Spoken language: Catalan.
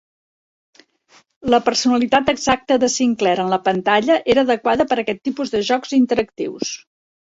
La personalitat exacta de Sinclair en la pantalla era adequada per a aquest tipus de jocs interactius.